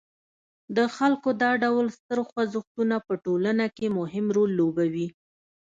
د خلکو دا ډول ستر خوځښتونه په ټولنه کې مهم رول لوبوي.